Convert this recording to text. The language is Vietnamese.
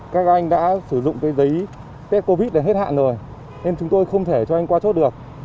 các anh đã sử dụng cái giấy test covid để hết hạn rồi nên chúng tôi không thể cho anh qua chốt được